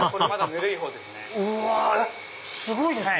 すごいですね！